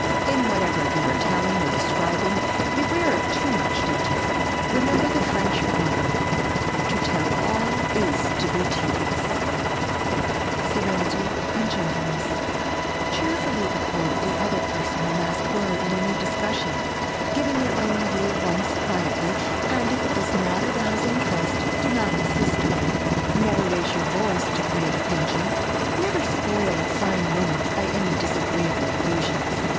In whatever you are telling or describing, beware of too much detail. Remember the French proverb, "To tell all is to be tedious." [Sidenote: SERENITY AND GENTLENESS] Cheerfully accord the other person the last word in any discussion, giving your own view once quietly and if it does not arouse interest, do not insist on it. Never raise your voice to command attention. Never spoil a fine moment by any disagreeable allusions.